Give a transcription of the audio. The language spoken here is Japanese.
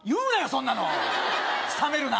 そんなの冷めるなあ